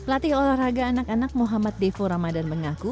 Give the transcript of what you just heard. latihan olahraga anak anak muhammad defo ramadhan mengaku